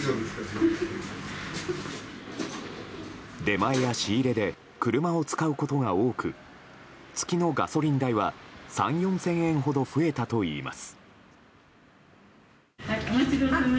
出前や仕入れで車を使うことが多く月のガソリン代は３０００４０００円ほど増えたといいます。